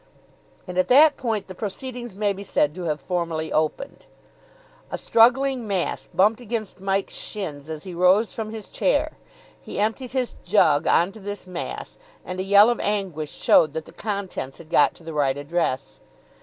And at that point the proceedings may be said to have formally opened. A struggling mass bumped against Mike's shins as he rose from his chair; he emptied his jug on to this mass, and a yell of anguish showed that the contents had got to the right address.